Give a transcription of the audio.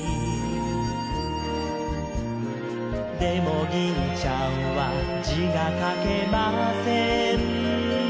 「でも銀ちゃんは字が書けません」